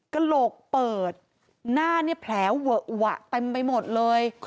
กระโหลกเปิดหน้านี่แผลวะไปหมดเลย